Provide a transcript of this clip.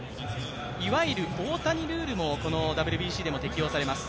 いわゆる大谷ルールもこのＷＢＣでも適用されます。